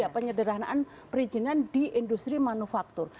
penyederhanaan perizinan di industri manufaktur